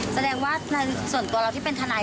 แสดงว่าในส่วนตัวเราที่เป็นทนาย